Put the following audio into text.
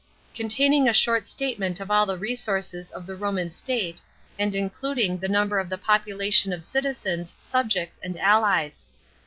containing a short statement of all the resources of the Romaii State, and including the number of the population of citizens, subjects, and allies.